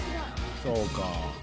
そうか。